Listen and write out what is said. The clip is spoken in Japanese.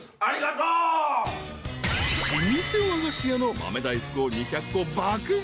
［老舗和菓子屋の豆大福を２００個爆買い］